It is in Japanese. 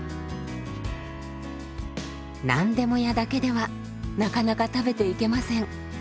何でも屋だけではなかなか食べていけません。